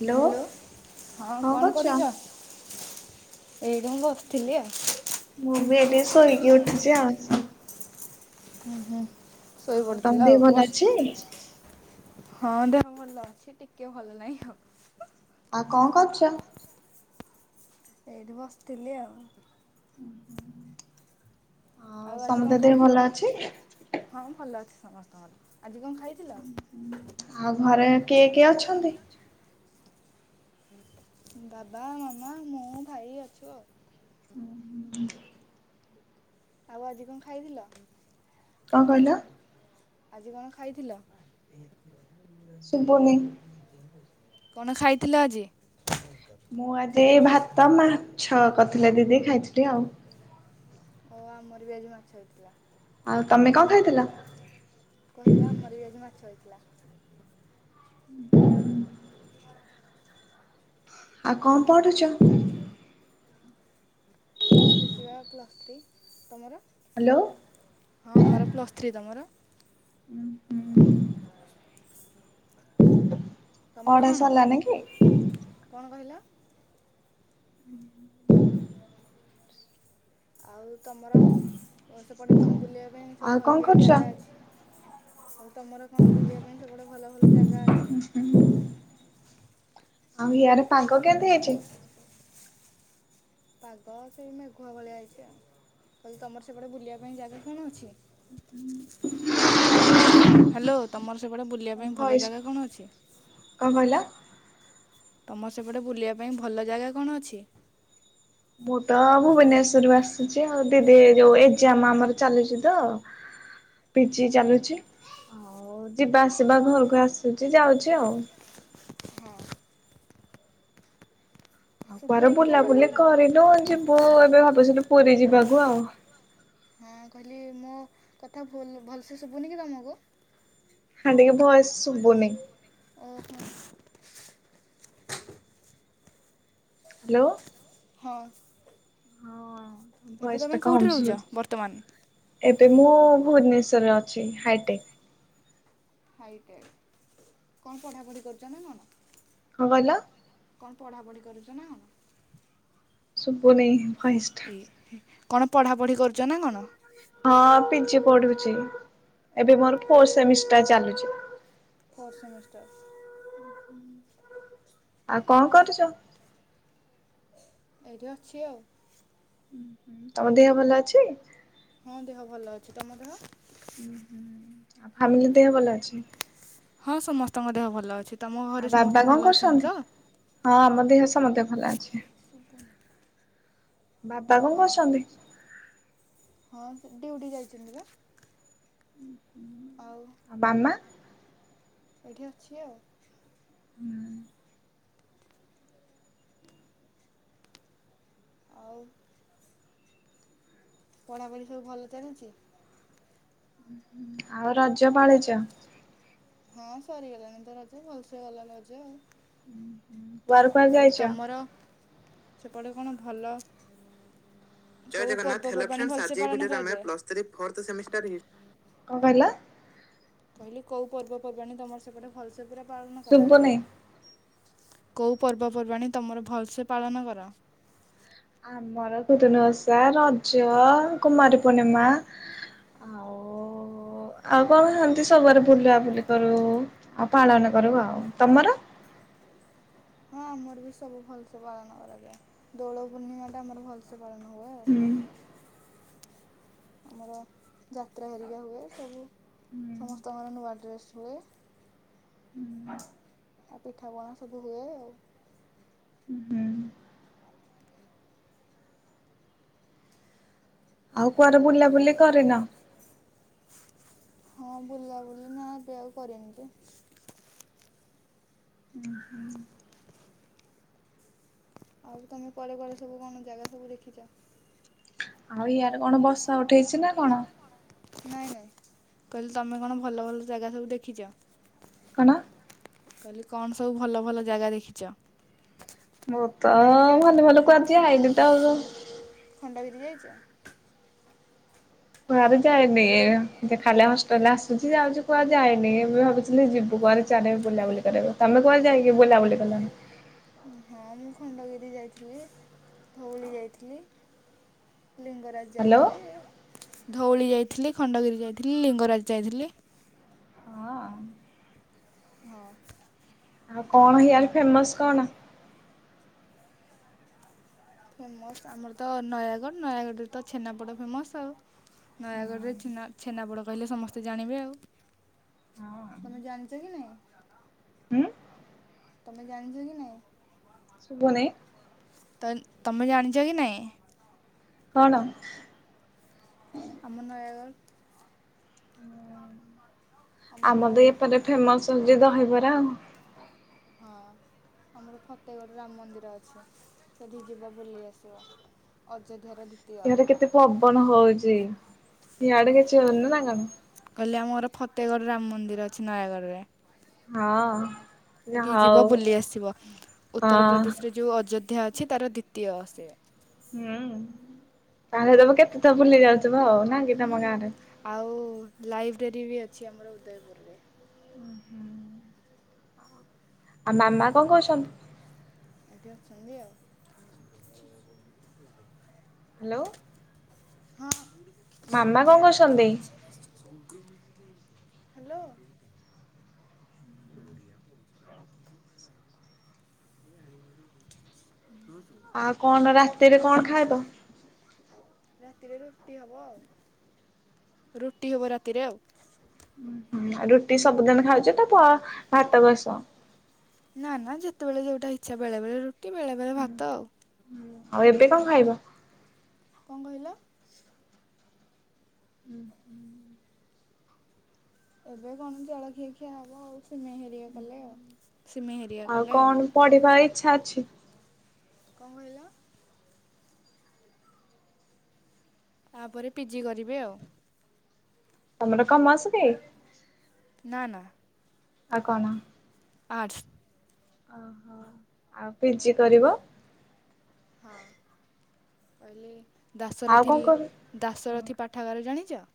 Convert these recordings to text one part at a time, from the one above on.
Hello ହଁ କଣ କରୁଚ? ଏଇଠି ମୁ ବସିଥିଲି ଆଉ। ମୁଁ ବି ଏଟି ଶୋଇକି ଉଠୁଚି ଆଉ। ହୁଁ ହୁଁ ଶୋଇ ତମ ପଡିଥିଲ ଦେହ ଆଉ ଭଲ ବସ୍। ଅଛି? ହଁ ଦେହ ଭଲ ଅଛି ଟିକେ ଭଲ ନାହିଁ ହଉ। ଆଉ କଣ କରୁଚ? ଏଇଠି ବସିଥିଲି ଆଉ। ଆଉ ଆଜି ସମସ୍ତ କଣ ଦେହ ଭଲ ଖାଇଥିଲ। ଅଛି? ହଁ ଭଲ ଅଛି ସମସ୍ତଙ୍କର ଆଜି କଣ ଖାଇଥିଲ। ଆଉ ଘରେ କିଏ କିଏ ଅଛନ୍ତି? ବାବା ମାମା ମୁଁ ଭାଇ ଅଛୁ ଆଉ। ହୁଁ ହୁଁ ହୁଁ। [inaudible] ଆଉ ଆଜି କଣ ଖାଇଥିଲ? କଣ କହିଲ? ଆଜି କଣ ଖାଇଥିଲ? ସୁବୁନି। କଣ ଖାଇଥିଲ ଆଜି? ମୁଁ ଆଜି ଭାତ ମାଛ କଥିଲେ ଦିଦି ଖାଇଥିଲି ଆଉ। ଓ ଆମର ବି ଆଜି ମାଛ ହେଇଥିଲା। ଆଉ ତମେ କଣ ଖାଇଥିଲ? କହିଲି ଆମର ବି ଆଜି ମାଛ ହେଇଥିଲା। ଜରୁଆ। ଆଉ କଣ ପଢୁଚ? ପଢୁଚି ବା ପ୍ଲସ୍ ଥ୍ରୀ ତମର ହ୍ୟାଲୋ। ହଁ ମୋର ପ୍ଲସ୍ ଥ୍ରୀ ତମର। ଉଁ ହୁଁ। ତମର ପଢା କଣ? ସରିଲାନି କି? କଣ କହିଲ? ଉଁ ହୁଁ। ଆଉ ତମର ଓ ସେପଟେ କଣ ବୁଲିଆ ପାଇଁ ସବୁ ଆଉ କଣ ଭଲ ଭଲ କରୁଛ? ଜାଗା ଅଛି। କଇଲି ତମର କଣ ବୁଲିଆ ପାଇଁ ସେପଟେ ଭଲ ଭଲ ଜାଗା ଅଛି। ହୁଁ। ଆଉ ଇଆରେ ପାଗ କେମିତି ହେଇଚି? ପାଗ ସେଇ ମେଘୁଆ ଭଳିଆ ହେଇଚି ଆଉ କଇଲି ତମର ସେପଟେ ବୁଲିଆ ପାଇଁ ଜାଗା କଣ ଅଛି। ହ୍ୟାଲୋ ତମର ସେପଟେ ବୁଲିଆ ପାଇଁ ଭଲ ଜାଗା କଣ ଅଛି। କ କହଲ। ତମ ସେପଟେ ବୁଲିଆ ପାଇଁ ଭଲ ଜାଗା କଣ ଅଛି। ମୁଁ ତ ଭୁବନେଶ୍ଵରରୁ ଆସୁଚି ଆଉ ଦିଦି ଯୋଉ ଏଗଜାମ ଆମର ଚାଲିଚି ତ ପିଜିି ଚାଲୁଚି ଆଉ ଯିବା ଆସିବା ଘରକୁ ଆସୁଚି ଯାଉଚି ଆଉ। ହଁ କୁଆରେ ଶୁଭୁନି କି ମୋ କଥା? ବୁଲାବୁଲି କରିନୁ ଯିବୁ ଏବେ ଭାବୁଥିଲୁ ପୁରୀ ଯିବାକୁ ଆଉ। ହଁ କହିଲି ମୋ କଥା ଭୁଲ୍ ଭଲସେ ଶୁଭୁନି କି ତମକୁ? ହାଁ ଟିକେ ଭୟସ ଶୁବୁନି। ଓହୋ। ହ୍ଲୋ। ହଁ। ହଁ ଏବେ ଭଏସ ଟା ତମେ କଉଠି କମ୍ ରହୁଛ ଶୁଭୁଛି। ବର୍ତ୍ତମାନ? ଏବେ ମୁଁ-ଉ ଭୂନେଶ୍ୱରରେ ଅଛି ହାଇଟେକ୍। ହାଇଟେଡ଼୍ କଣ ପଢ଼ାପଢ଼ି କରୁଛ ନା କଣ? କଁ କଇଲ? କଣ ପଢ଼ାପଢ଼ି କରୁଛ ନା କଣ? ସୁବୁନେଇଁ ଭଏସ୍। ଏଇ କଣ ପଢ଼ାପଢ଼ି କରୁଛ ନା କଣ? ହଁ ପିଜିି ପଢୁଚି ଏବେ ମୋର ବୋର୍ ସେମିସ୍ ଫୋର୍ ସେମିଷ୍ଟର। ଆଉ କଁ କରୁଚ? ଏଇଠି ଅଛି ଆଉ। ହୁଁ ହୁଁ। ତମ ଦେହ ଭଲ ଅଛି? ହଁ ଦେହ ଭଲ ଅଛି, ତମ ଦେହ? ଫ୍ୟାମିଲି ଦେହ ଭଲ ଅଛି। ହଁ ସମସ୍ତଙ୍କ ଦେହ ଭଲ ଅଛି, ତମ ଆଉ ଘରେ ବାବା ସମସ୍ତେ କଣ ଭଲ ଅଛନ୍ତି କରୁଛନ୍ତି? ତ? ହଁ ଆମ ଦେହ ସମତେ ଭଲ ଅଛି। ବାବା କଣ ହଁ କରୁଛନ୍ତି? ହଁ ଡିଉଟି ଯାଇଛନ୍ତି ବା। ହୁଁ ହୁଁ। ଆଉ। ବାମା। ଏଇଠି ଅଛି ଆଉ। [inaudible] ଆଉ ପଢାପଢି ସବୁ ଭଲ ଚାଲିଚି? ଆଉ ରଜ ପାଳୁଚ? ହଁ ସରିଗଲାଣିି ତ ରଜ ଭଲସେ ଗଲା ରଜ ଆଉ। କୁଆଡେ କୁଆଡେ କହିଲି ଯାଇଛ? ତମର ସେପଟେ କଣ ଭଲ କୋଉ ପର୍ଵ ପର୍ବାଣୀ ଭଲସେ ପାଳନ କରାଯାଏ? କଣ କହିଲ? କହିଲି କୋଉ ପର୍ବପର୍ବାଣି ତମର ସେପଟେ ଭଲସେ ପୁରା ପାଳନ କର? ଶୁଭୁନି। କୋଉ ପର୍ବପର୍ବାଣି ତମର ଭଲସେ ପାଳନ କର? ଆମର ଖୁଦୁନୁ ଓଷା ରଜ କୁମାରୀ ପୂର୍ଣ୍ଣିମା ଆଉ ଓ- ଆଉ କଣ [unintelligible] ତାପରେ ବୁଲାବୁଲି କରୁ ଆଉ ପାଳନ କରୁ ଆଉ ତମର? ହଁ ଆମର ବି ସବୁ ଭଲସେ ପାଳନ କରାଯାଏ। ଦୋଳ ପୂର୍ଣ୍ଣିମାଟା ଆମର ଭଲସେ ପାଳନ ହୁଏ ଆଉ। ହୁଁ। ଆମର ଯାତ୍ରା ହାରିକା ହୁଏ ସବୁ ସମସ୍ତଙ୍କର ନୂଆ ଡ୍ରେସ୍ ହୁଏ। [inaudible] ଆଉ ପିଠାପଣା ସବୁ ହୁଏ ଆଉ। ହୁଁ। ଆଉ କୁଆଡେ ବୁଲାବୁଲି କରିନ? ହଁ ବୁଲା ବୁଲି ନା ଏବେ ଆଉ କରିନି ଯେ। [inaudible] ଆଉ ତମେ କୁଆଡେ କୁଆଡେ ସବୁ କଣ ଜାଗା ସବୁ ଦେଖିଚ? ଆଉ ଇଆରେ କଣ ବର୍ଷା ଉଠେଇଚି ନା କଣ? ନାଇଁ ନାଇଁ କଇଲି ତମେ କଣ ଭଲ ଭଲ ଜାଗା ସବୁ ଦେଖିଚ? କଣ? କଇଲି କଣ ସବୁ ଭଲ ଭଲ ଜାଗା ଦେଖିଚ? ମୁଁ ତ ଭଲ ଭଲ କୁଆ ଯାଇନି ତ ଆଉ। ଖଣ୍ଡ ଗିରି ଯାଇଚ? କୁଆଡେ ଯାଏନି ଖାଲି ହଷ୍ଟେଲରେ ଆସୁଚି ଯାଉଚି କୁଆଡେ ଯାଏନି ଭାବୁଚି [unintelligible] ଯିବୁ କୁଆଡ଼େ ଚାରିଆଡେ ବୁଲାବୁଲି କରିବାକୁ ତମେ କୁଆଡେ ଯାଇକି ବୁଲାବୁଲି କଲଣି? ହଁ ମୁଁ ଖଣ୍ଡଗିରି ଯାଇଥିଲି ଧୋଉଳି ଯାଇଥିଲି। ଲିଙ୍ଗରାଜ ହ୍ୟାଲୋ। ଯାଇଥିଲି ଧୋଉଳି ଯାଇଥିଲି ଖଣ୍ଡଗିରି ଯାଇଥିଲି ଲିଙ୍ଗରାଜ ଯାଇଥିଲି। ହଁ ହଁ। ଆଉ କଣ ହେଆଡେ ଫେମସ କଣ? ଫେମସ ଆମର ତ ନୟାଗଡ଼ ନୟାଗଡ଼ରେ ତ ଛେନାପୋଡ ଫେମସ ଆଉ। ନୟାଗଡ଼ରେ ଛେନା ଛେନାପୋଡ଼ କହିଲେ ସମସ୍ତେ ଜାଣିବେ ଆଉ। ତମେ ଜାଣିଚ କି ନାଇଁ ହୁଁ ତମେ ଜାଣିଚ କି ନାଇଁ? ଶୁବୁନେଇ? ତାଲେ ଜାଣିଚ କି ନାଇଁ? କଣ? ଆମ ନୟାଗଡ଼। [unintelligible] ଆମର ଆମ ତ ବି ଏପଟେ ଫେମସ ହୋଉଚି ଦହିବରା ଆଉ। ହଁ ଆମର ଫତେଇଗଡ଼ ରାମ୍ ମନ୍ଦିର ଅଛି ସେଠି ଯିବା ବୁଲେଇ ଆସିବ। ଅଯୋଧ୍ୟାର ଦି ଆଡ କେତେ ପବନ ହଉଚି ଇଆଡେ କିଛି ହଉନି ନା କଣ। କହିଲେ ଆମର ଫତେଗଡ଼୍ ରାମ୍ ମନ୍ଦିର ଅଛି ନୟାଗଡ଼ରେ। ହଁ। ସେଇଠିି ଯିବ ହଉ ବୁଲି ଆସିବ ହଁ। ଉତ୍ତରପ୍ରଦେଶ୍ରେ ଯୋଉ ଅଯୋଧ୍ୟା ଅଛି ତାର ଦ୍ଵିତୀୟ ସେ। ହୁଁ ତାହେଲେ ତବ କେତେଥର ଭୁଲି ଯାଉଥିବ ଆଉ ନାଁ କି ତମ ଗାଁ ରେ। ଆଉ ଲାଇବ୍ରେରୀ ବି ଅଛି ଆମର ଉଦୟପୁର୍ରେ। ଆଉ ମାମା କଂ କହୁଛନ୍ତି। ଏଠି ଅଛନ୍ତି ଆଉ। ହେଲୋ। ହଁ। ମାମା କଂ କର୍ଛନ୍ତି। ହାଲୋ। ଓଡ଼ିଆ [unintelligible] [unintelligible] ଆଉ କଣ ରାତିରେ କଣ ଖାଇବ? ରାତିରେ ରୁଟି ହବ ଆଉ ରୁଟି ହବ ରାତିରେ ଆଉ। ରୁଟି ସବୁଦିନ୍ ଖାଉଚି ତ ପ ଭାତ ବସିବ। ନା ନା ଯେତେବେଳେ ଯୋଉଟା ଇଚ୍ଛା ବେଳେବେଳେ ରୁଟି ବେଳେବେଳେ ଭାତ ଆଉ। ଆଉ ଏବେ କଂ ଖାଇବ। କଂ କହିଲ। ହୁଁ ହୁଁ। ଏବେ କଣ ଜଳଖିଆ ଖିଆ ହବ ଆଉ ସିମେଇ ହେରିଆ କଲେ ଆଉ ସିମେଇ ହେରିଆ କଲେ ଆଉ। ପଢ଼ିବା ଇଚ୍ଛା ଅଛି। କଂ କହିଲ। ତାପ୍ରେ ପିଜି କରିବେ ଆଉ। ତମର କଂ ମସ୍ ଦେ। ନା ନା। ଆଉ କନ। ଆଟ୍ସ୍। ଓହୋ ଆଉ ପିଜି କରିବ। ହଁ କହିଲେ ଆଉ ଦାସରଥି କଣ ଲ୍ କର ଦାସରଥୀ ପାଠାଗାର ଜାଣିଚ।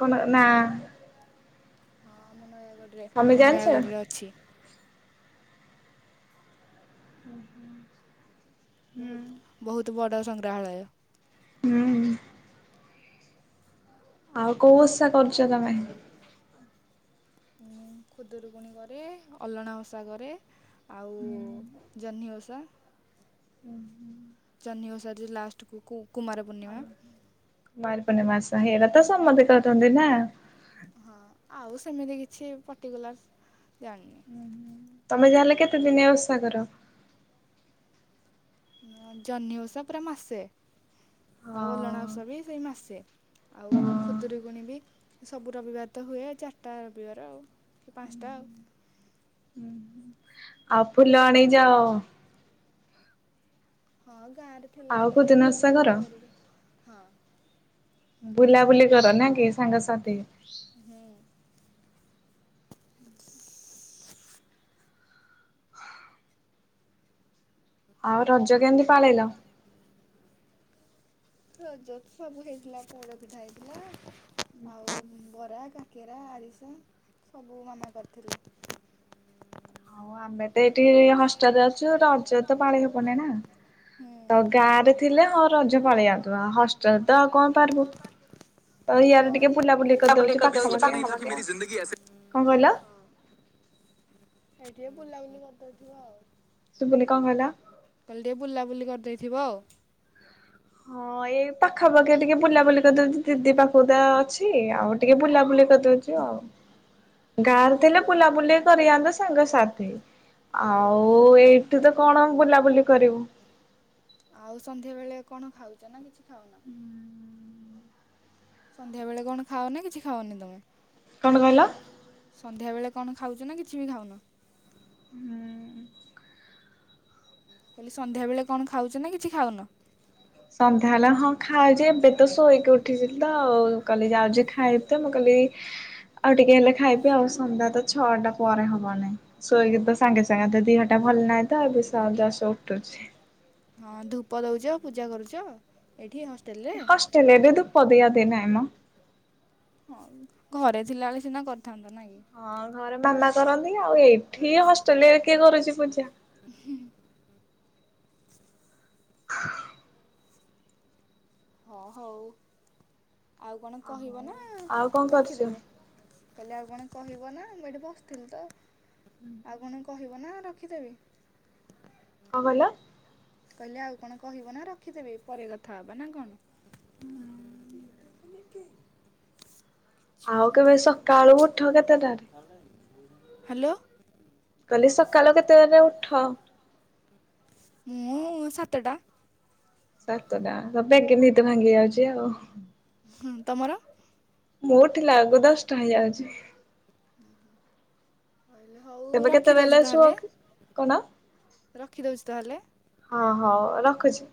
କଣ ନା। ହଁ ଆମ ନୟାଗଡ଼୍ରେ ତମେ ଆମ ଜାଣିଛ? ନୟାଗଡ଼୍ରେ ଅଛି। ହୁଁ ହୁଁ। ବୋହୁତ୍ ବୋହୁତ୍ ବଡ଼ ସଂଗ୍ରହାଳୟ। ହୁଁ। ଆଉ କୋଉ ଓଷା କର୍ଚ ତମେ। ମୁଁ ଖୁଦୁରୁକୁୁଣି କରେ ଅଲଣା ଓଷା କରେ। ଆଉ ଜହ୍ନି ଓଷା। ହୁଁ ହୁଁ। ଜହ୍ନି ଓଷା ଯୋଉ ଲାଷ୍ଟକୁ କୁ କୁମାର ପୂର୍ଣ୍ଣିମା। କୁଆଁର ପୂର୍ଣ୍ଣିମା ଓଷା ଏରା ତ ସମସ୍ତେ କରନ୍ତି ନା। ହଁ ଆଉ ସେମିତି କିଛି ପଟିକୁଲାର୍ ଜାଣିନି। ତମେ ତାହଲେ କେତେ ଦିନିଆ ଓଷା କର। ଜହ୍ନି ଓଷା ପୁରା ମାସେ, ହଁ ଆଉ ଅଲଣା ଓଷା ବି ସେଇ ମାସେ। ଆଉ ହଁ। ଖୁଦୁରୁକୁୁଣି ବି ସବୁ ରବିବାର ତ ହୁଏ, ଚାରିଟା ରବିବାର ଆଉ। ପାଶଂଟା ଆଉ। ଆଉ ଫୁଲ ଆଣି ଯାଅ? ଯୋଉଠି ହଁ ଗାଁ ରେ ଥିଲା ଆଉ ବେଳେ କୋଉ ଦିନ କରୁଥିଲି, ଓଷା କର? ଫୁଲ ହେରିକା ହଁ। ବୁଲାବୁଲି କର ନା କି ସାଙ୍ଗସାଥି? ହୁଁ। ଆଉ ରଜ କେମିତି ପାଳିଲ? ରଜରେ ସବୁ ହେଇଥିଲା, ପୋଡ ପିଠା ହେଇଥିଲା ଆଉ ବରା, କାକେରା, ଆରିସା ସବୁ ମାମା କରିଥିଲେ। ଆଉ ଆମେ ତ ଏଠି ହଷ୍ଟେଲ ରେ ଅଛୁ ରଜ ତ ପାଳି ହବନି ନା ହୁଁ ତ ଗାଁ ରେ ଥିଲେ ହଁ ରଜ ପାଳିଆନ୍ତୁ ହଷ୍ଟେଲ ତ ଆଉ କଣ ପାରିବୁ। ଆଉ ଇଆଡ଼େ ଟିକେ ହଁ ବୁଲାବୁଲି କରିଦଉଚୁ ପାଖାପାଖି ଆଉ ପାଖାପାଖି କଣ କଇଲ। ଏଇ ଟିକେ ବୁଲାବୁଲି କରିଦଉଥିବ ଆଉ। ଶୁବୁନି କଣ କଇଲ? କଇଲି ଟିକେ ବୁଲାବୁଲି କରିଦେଇଥିବ ଆଉ। ହଁ ଏଇ ପାଖାପାଖି ଟିକେ ବୁଲାବୁଲି କରି ଦଉଚି, ଦିଦି ପାଖକୁ ତ ଅଛି। ଆଉ ଟିକେ ବୁଲାବୁଲି କରି ଦଉଚି। ଆଉ। [unintelligible] [inaudible] ଗାଁରେ ଥିଲେ ବୁଲାବୁଲି କରିହାନ୍ତୁ ସାଙ୍ଗ ସାଥି ହଁ। ଆଉ ଏଇ ଏବେ କଣ ଆଉ ବୁଲାବୁଲି କରିବୁ। ଆଉ ସଂନ୍ଧ୍ୟା ବେଳେ କଣ ଖାଉଚ ନା କିଛି ଖାଉ ନ। ସଂନ୍ଧ୍ୟା ବେଳେ କଣ ଖାଅ ନା କିଛି ଖାଅନି ତମେ। କଣ କହିଲ। ସଂନ୍ଧ୍ୟାବେଳେ କଣ ଖାଉଚୁ ନା କିଛି ବି ଖାଉନୁ? ହୁଁ। ମୁ କଇଲି ସଂନ୍ଧ୍ୟା ବେଳେ କଣ ଖାଉଚୁ ନା କିଛି ଖାଉନୁ? ସଂନ୍ଧ୍ୟା ହେଲା ହଁ ଖାଏ ଯେ ଏବେ ତ ଶୋଇକି ଉଠିଲି ତ। ଆଉ କହିଲି ଯାଉଚି ଖାଇବି ତ ମୁଁ କହିଲି। ଆଉ ଟିକେ ହେଲେ ଖାଇବି ‌ଆଉ ସଂନ୍ଧ୍ୟା ତ ଛଅ ଟା ପରେ ହବ ନାଇଁ। ଶୋଇକି ତ ସାଙ୍ଗେ ସାଙ୍ଗେ ତ ଦିହଟା ଭଲ ନାହିଁ ତ, ଏବେ ସ ଜଷ୍ଟ୍ ଉଠୁଚି। ହଁ ଧୂପ ଦଉଚ, ପୂଜା କରୁଚ, ଏଇଠି ହଷ୍ଟେଲରେ? ହେଲେ ଏବେ ଧୂପ ଦିଆଦିଇ ନାହିଁ ମ। ହଁ ଘରେ ଥିଲାବେଳେ ସିନା କରିଥାନ୍ତ ନାଇଁ। ହଁ ଘରେ ମାମା କରନ୍ତି, ଆଉ ଏଇଠି ହଷ୍ଟେଲ ରେ କିଏ କରୁଚି ପୂଜା। [unintelligible] ହଁ ହଉ ଆଉ କଣ କହିବ ନା ଆଉ କଣ କରୁଛୁ ରଖିଦେବେ। କଇଲେ ଆଉ କଣ କହିବ ନା ମୁଁ ଏଇଠି ବସିଥିଲି ତ ଆଉ ହୁଁ ଆଉ କଣ କ କହିବ ନା ରଖିଦେବି। କଣ କହିଲ? କହିଲି ଆଉ କଣ କହିବ ନା ରଖିଦେବି ପରେ କଥା ହବା ନା କଣ। [unintelligible] ଆଉ କେବେ ସକାଳୁ ଉଠ କେତେଟାରେ? [unintelligible] ହାଲୋ। ମୁଁ କଇଲି ସକାଳୁ କେତେବେଲେ ଉଠ? ମୁଁ ସାତଟା। ସାତଟା ତୋ ବେଗେ ନଦ ଭାଙ୍ଗି ଯାଉଚି ଆଉ। ହୁଁ ତମର? ମୁଁ ଉଠିଲା କୁ ଦଶଟା ହେଇଯାଉଚି। ହଉ ତେବେ କେତେବେଳେ ରଖିଦଉଚି ଶୁଅ ତାହେଲେ, କି? କଣ ରଖିଦଉଚି ତାହେଲେ। ହଁ ହଉ ରଖୁଚି।